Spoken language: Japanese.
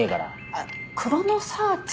あっクロノサーチ？